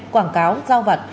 quảng cáo giao vặt